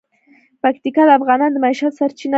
پکتیکا د افغانانو د معیشت سرچینه ده.